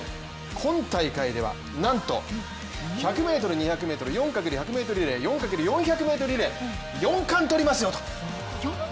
今大会ではなんと１００ｍ、２００ｍ、４×１００ｍリレー、４×４００ｍリレー、４冠とりますよと。